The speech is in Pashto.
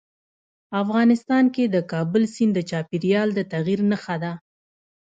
افغانستان کې د کابل سیند د چاپېریال د تغیر نښه ده.